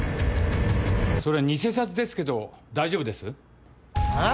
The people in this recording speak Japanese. ・それ偽札ですけど大丈夫です？・あぁ？